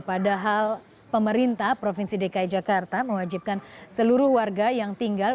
padahal pemerintah provinsi dki jakarta mewajibkan seluruh warga yang tinggal